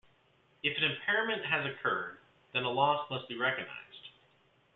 If an impairment has occurred, then a loss must be recognized.